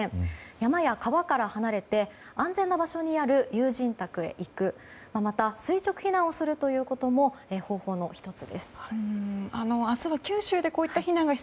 山や川から離れて安全な場所にある友人宅へ行くまた、垂直避難をすることも方法の１つです。